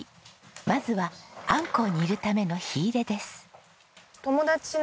まずはあんこを煮るための火入れです。